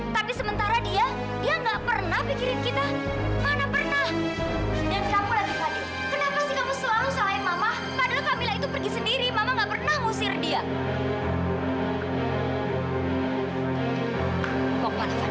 mau ke mana fadil